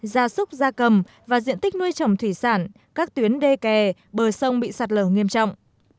gia súc gia cầm và diện tích nuôi trồng thủy sản các tuyến đê kè bờ sông bị sạt lở nghiêm trọng